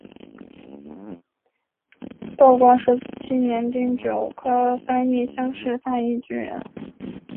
道光十七年丁酉科翻译乡试翻译举人。